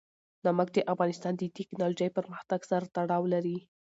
نمک د افغانستان د تکنالوژۍ پرمختګ سره تړاو لري.